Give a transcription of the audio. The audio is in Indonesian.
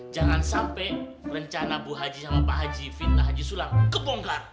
jangan sampai rencana bu haji sama pak haji fitnah haji sulam kebongkar